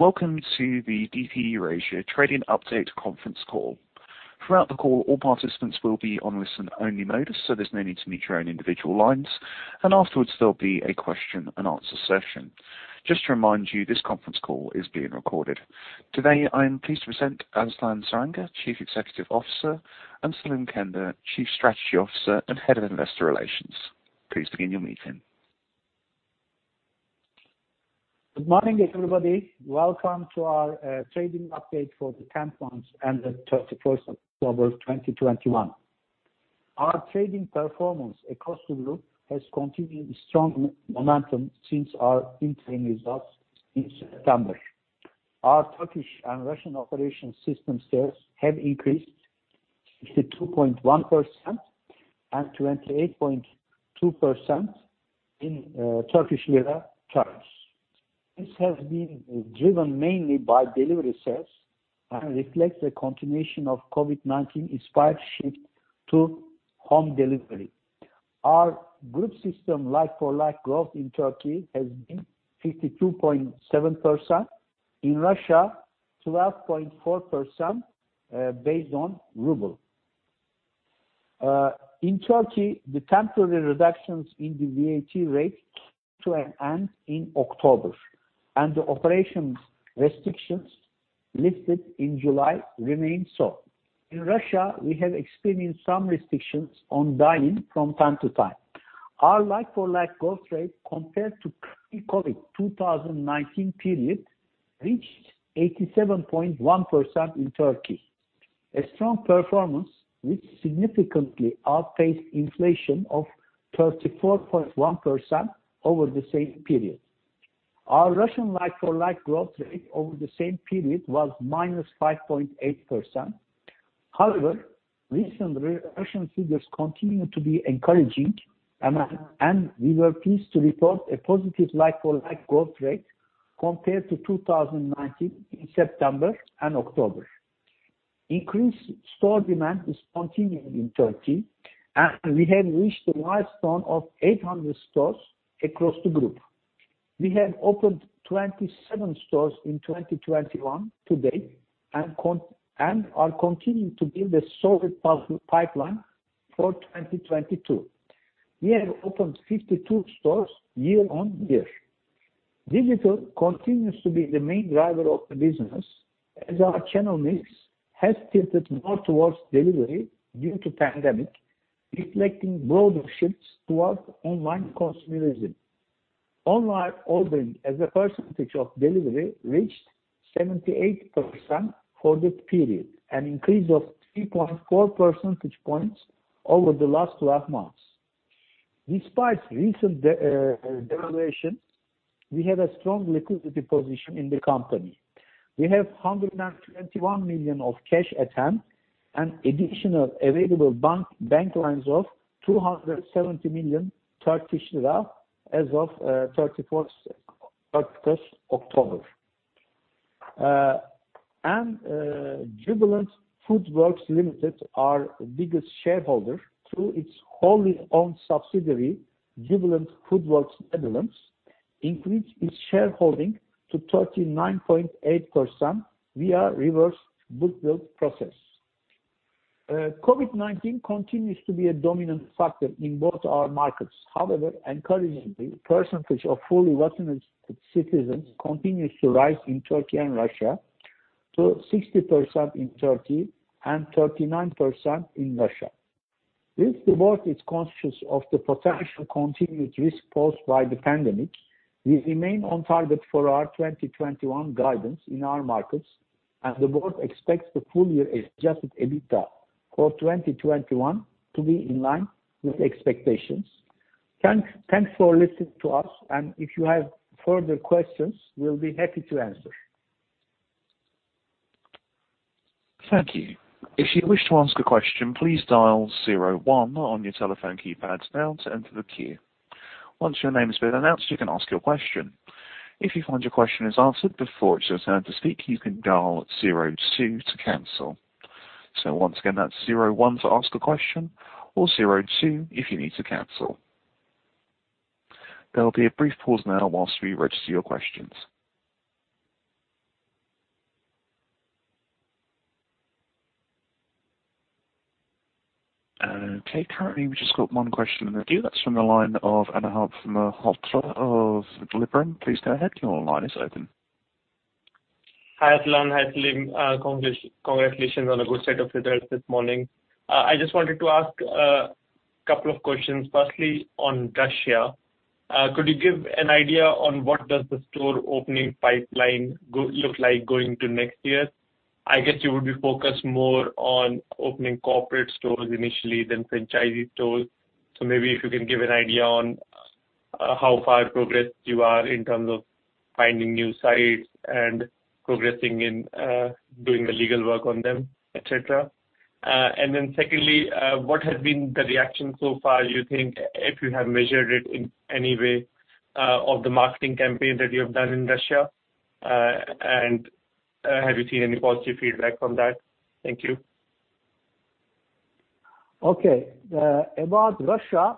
Welcome to the DP Eurasia trading update conference call. Throughout the call, all participants will be on listen-only mode, so there's no need to mute your own individual lines, and afterwards, there'll be a question-and-answer session. Just to remind you, this conference call is being recorded. Today, I am pleased to present Aslan Saranga, Chief Executive Officer, and Selim Kender, Chief Strategy Officer and Head of Investor Relations. Please begin your meeting. Good morning, everybody. Welcome to our trading update for the 10 months ended 31 October 2021. Our trading performance across the group has continued strong momentum since our interim results in September. Our Turkish and Russian operations system sales have increased 62.1% and 28.2% in Turkish lira terms. This has been driven mainly by delivery sales and reflects the continuation of COVID-19-inspired shift to home delivery. Our group system like-for-like growth in Turkey has been 52.7%, in Russia 12.4% based on ruble. In Turkey, the temporary reductions in the VAT rate came to an end in October, and the operations restrictions lifted in July remain so. In Russia, we have experienced some restrictions on dining from time to time. Our like-for-like growth rate compared to pre-COVID 2019 period reached 87.1% in Turkey, a strong performance which significantly outpaced inflation of 34.1% over the same period. Our Russian like-for-like growth rate over the same period was -5.8%. However, recent Russian figures continue to be encouraging, and we were pleased to report a positive like-for-like growth rate compared to 2019 in September and October. Increased store demand is continuing in Turkey, and we have reached the milestone of 800 stores across the group. We have opened 27 stores in 2021 to date and are continuing to build a solid pipeline for 2022. We have opened 52 stores year-on-year. Digital continues to be the main driver of the business as our channel mix has tilted more towards delivery due to pandemic, reflecting broader shifts towards online consumerism. Online ordering as a percentage of delivery reached 78% for the period, an increase of 3.4 percentage points over the last 12 months. Despite recent devaluation, we have a strong liquidity position in the company. We have 121 million of cash at hand and additional available bank lines of 270 million Turkish lira as of 31 October. Jubilant FoodWorks Limited, our biggest shareholder, through its wholly owned subsidiary, Jubilant Foodworks Netherlands, increased its shareholding to 39.8% via reverse bookbuild process. COVID-19 continues to be a dominant factor in both our markets. However, encouragingly, percentage of fully vaccinated citizens continues to rise in Turkey and Russia to 60% in Turkey and 39% in Russia. Since the board is conscious of the potential continued risk posed by the pandemic, we remain on target for our 2021 guidance in our markets, and the board expects the full year adjusted EBITDA for 2021 to be in line with expectations. Thanks for listening to us, and if you have further questions, we'll be happy to answer. Thank you. If you wish to ask a question, please dial zero one on your telephone keypads now to enter the queue. Once your name has been announced, you can ask your question. If you find your question is answered before it's your turn to speak, you can dial zero two to cancel. Once again, that's zero one to ask a question or zero two if you need to cancel. There'll be a brief pause now while we register your questions. Okay, currently, we've just got one question in the queue. That's from the line of Anahad from Hofler of Delbrinc. Please go ahead. Your line is open. Hi, Aslan. Hi, Selim. Congratulations on the good set of results this morning. I just wanted to ask a couple of questions. First, on Russia, could you give an idea on what the store opening pipeline looks like going to next year? I guess you would be focused more on opening corporate stores initially than franchisee stores. Maybe if you can give an idea on how far progressed you are in terms of finding new sites and progressing in doing the legal work on them, et cetera. And then second, what has been the reaction so far you think, if you have measured it in any way, of the marketing campaign that you have done in Russia, and have you seen any positive feedback from that? Thank you. Okay. About Russia,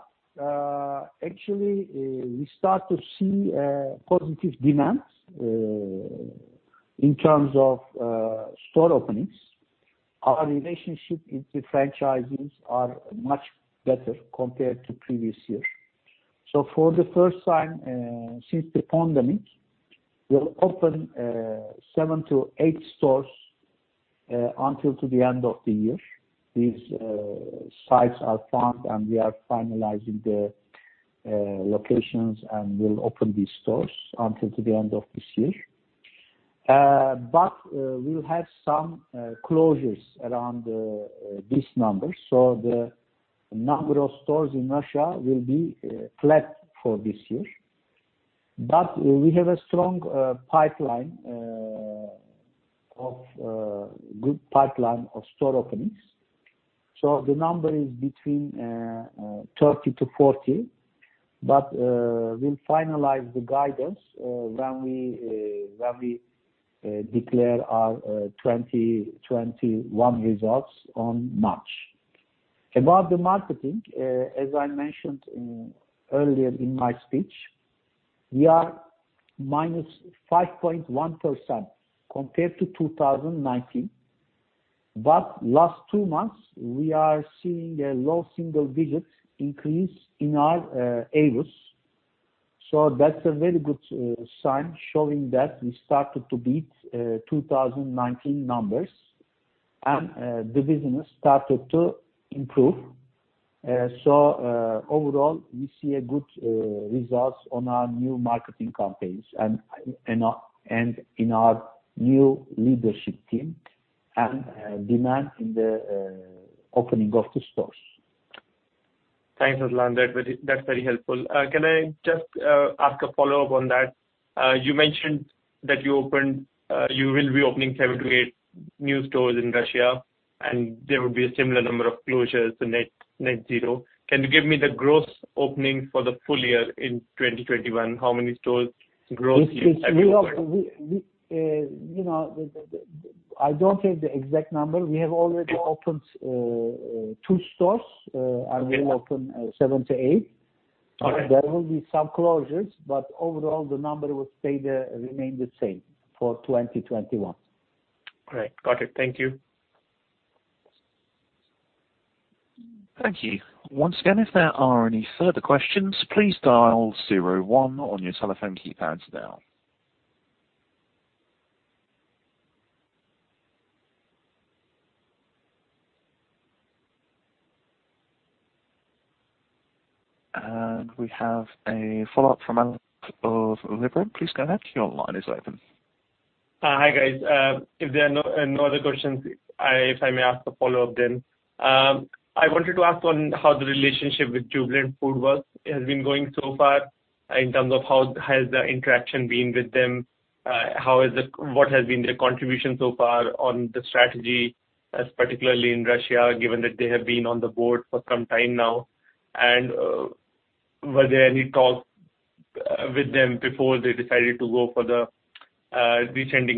actually, we start to see positive demand in terms of store openings. Our relationship with the franchises are much better compared to previous year. For the first time since the pandemic, we'll open seven to eight stores until the end of the year. These sites are found, and we are finalizing the locations, and we'll open these stores until the end of this year. We'll have some closures around these numbers. The number of stores in Russia will be flat for this year. We have a strong pipeline of store openings. The number is between 30-40. We'll finalize the guidance when we declare our 2021 results on March. About the marketing, as I mentioned earlier in my speech, we are -5.1% compared to 2019. In the last two months, we are seeing a low-single-digit increase in our ADS. That's a very good sign showing that we started to beat 2019 numbers, and the business started to improve. Overall, we see good results on our new marketing campaigns and in our new leadership team and demand in the opening of the stores. Thanks, Aslan. That's very helpful. Can I just ask a follow-up on that? You mentioned that you will be opening seven to eight new stores in Russia, and there will be a similar number of closures to net zero. Can you give me the gross opening for the full year in 2021? How many stores, gross, do you expect to open? We also, you know, I don't have the exact number. We have already opened two stores. Okay. We'll open seven to eight. Okay. There will be some closures, but overall the number will remain the same for 2021. Great. Got it. Thank you. Thank you. Once again, if there are any further questions, please dial zero one on your telephone keypads now. We have a follow-up from Anab of Liberum. Please go ahead. Your line is open. Hi, guys. If there are no other questions, if I may ask a follow-up then. I wanted to ask on how the relationship with Jubilant FoodWorks has been going so far in terms of how has the interaction been with them. What has been their contribution so far on the strategy, particularly in Russia, given that they have been on the board for some time now? Were there any talks with them before they decided to go for the recent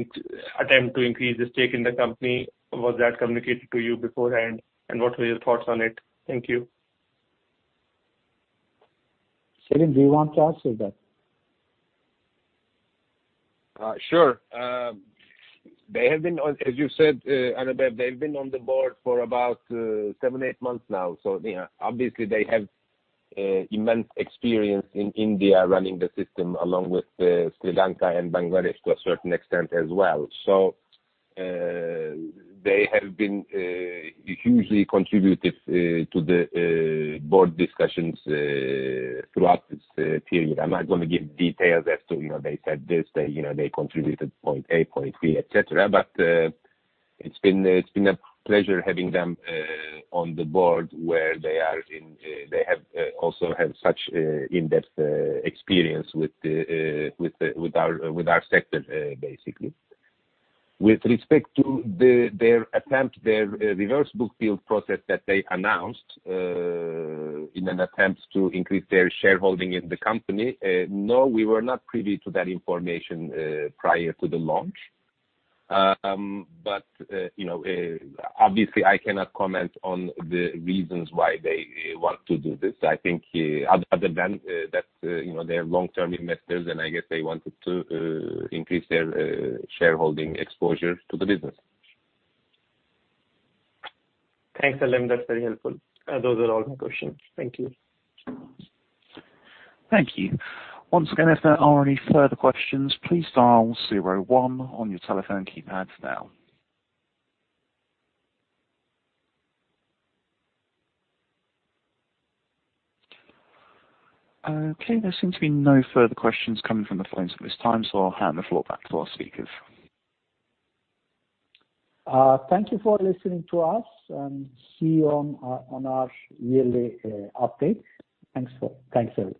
attempt to increase the stake in the company? Was that communicated to you beforehand, and what were your thoughts on it? Thank you. Selim, do you want to answer that? Sure. They have been on, as you said, Anab, they've been on the board for about seven to eight months now. They obviously have immense experience in India running the system along with Sri Lanka and Bangladesh to a certain extent as well. They have been hugely contributive to the board discussions throughout this period. I'm not gonna give details as to, you know, they said this, they, you know, they contributed point A, point B, et cetera. It's been a pleasure having them on the board wherein they also have such in-depth experience with the with the with our with our sector basically. With respect to their attempt, reverse bookbuild process that they announced in an attempt to increase their shareholding in the company, no, we were not privy to that information prior to the launch. You know, obviously I cannot comment on the reasons why they want to do this. I think, other than that, you know, they're long-term investors, and I guess they wanted to increase their shareholding exposure to the business. Thanks, Selim. That's very helpful. Those are all my questions. Thank you. Thank you. Once again, if there are any further questions, please dial zero one on your telephone keypads now. Okay, there seems to be no further questions coming from the phones at this time, so I'll hand the floor back to our speakers. Thank you for listening to us and see you on our yearly update. Thanks everybody.